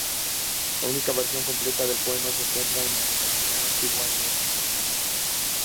La única versión completa del poema se encuentra en el Cancionero Antiguo, Ms.